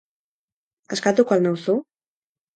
Askatuko al nauzu?